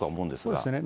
そうですね。